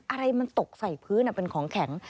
อะไรมันตกใส่พื้นเป็นของแข็ง